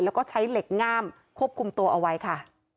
แล้วก็ใช้เหล็กง่ามควบคุมตัวเอาไว้ค่ะ